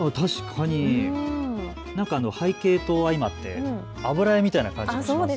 何か背景と相まって油絵みたいな感じがしますね。